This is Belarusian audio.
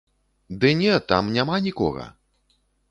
Ды не, там няма нікога!